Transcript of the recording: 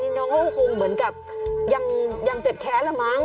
น้องก็คงเหมือนกับยังเจ็บแค้นละมั้ง